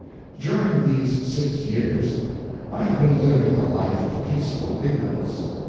During these six years I have been living a life of peaceful ignorance.